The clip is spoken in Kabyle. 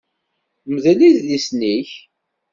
Mdel idlisen-ik!